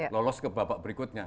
lolos ke babak berikutnya